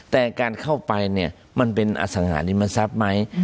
แต่การเข้าไปเนี่ยมันเป็นอสังหาริมทรัพย์ไหม